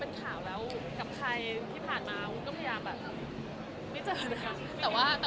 เพราะเราไม่มีเวลามาก